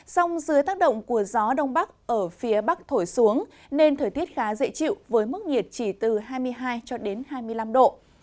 sông dưới tác động của gió đông bắc ở phía bắc thổi xuống nên thời tiết khá dễ chịu với mức nhiệt chỉ từ hai mươi hai cho đến hai mươi năm độ